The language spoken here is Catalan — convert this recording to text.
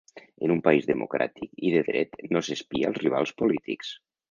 En un país democràtic i de dret no s’espia als rivals polítics.